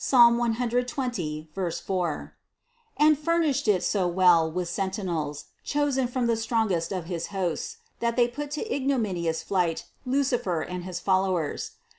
120, 4) and furnished it so well with sentinels, chosen from the strongest of his hosts, that they put to ignominious flight Lucifer and his followers.